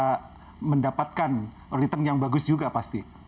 bisa mendapatkan return yang bagus juga pasti